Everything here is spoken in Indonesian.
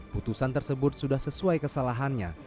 putusan tersebut sudah sesuai kesalahannya